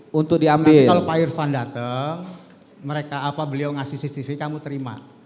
tapi kalau pak irfan datang mereka apa beliau ngasih cctv kamu terima